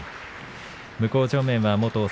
向正面は元薩洲